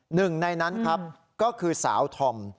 หนึ่งในนั้นครับก็คือสาวธอม